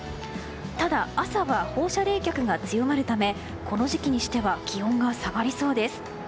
ただ、朝は放射冷却が強まるためこの時期にしては気温が下がりそうです。